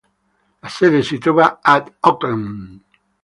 La sede si trova ad Auckland.